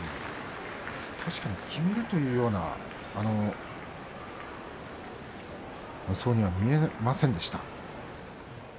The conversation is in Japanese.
確かにきめるというような無双には見えませんでした。